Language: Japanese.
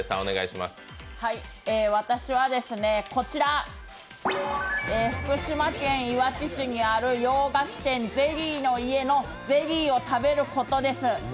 私はですね、こちら、福島県いわき市にある洋菓子店、ゼリーのイエのゼリーを食べることです。